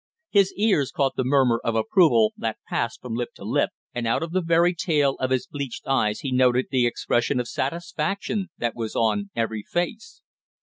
His ears caught the murmur of approval that passed from lip to lip and out of the very tail of his bleached eyes he noted the expression of satisfaction that was on every face.